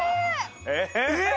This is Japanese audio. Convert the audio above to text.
えっ？